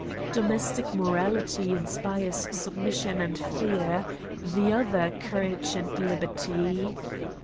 Domestic morality inspires submission and fear ; the other courage and liberty.